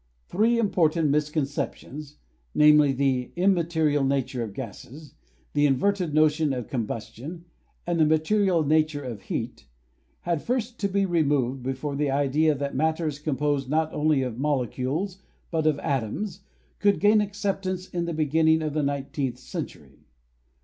Three important misconceptions — namely, the immaterial nature of gases, the inverted notion of combus tion and the material nature of heat — had first to be re moved before the idea that matter is composed not only of molecules but of atoms, could gain acceptance in the begin ning of the nineteenth century.